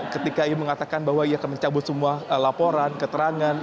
ketika ia mengatakan bahwa ia akan mencabut semua laporan keterangan